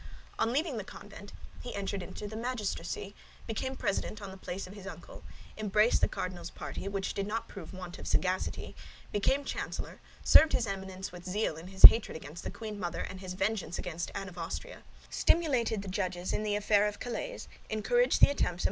On leaving the convent he entered into the magistracy, became president on the place of his uncle, embraced the cardinal's party, which did not prove want of sagacity, became chancellor, served his Eminence with zeal in his hatred against the queen mother and his vengeance against Anne of Austria, stimulated the judges in the affair of Calais, encouraged the attempts of M.